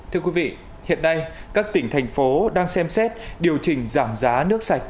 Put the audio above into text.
thưa quý vị hiện nay các tỉnh thành phố đang xem xét điều chỉnh giảm giá nước sạch